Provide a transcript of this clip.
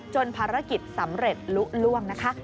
ภารกิจสำเร็จลุล่วงนะคะ